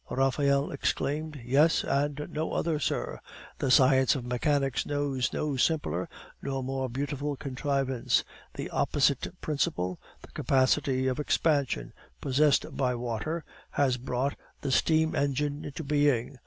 Raphael exclaimed. "He and no other, sir. The science of mechanics knows no simpler nor more beautiful contrivance. The opposite principle, the capacity of expansion possessed by water, has brought the steam engine into being.